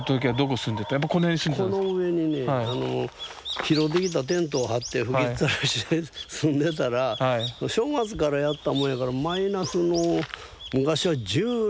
この上にね拾ってきたテントを張って吹きっさらしで住んでたら正月からやったもんやからマイナスの昔は１６度って。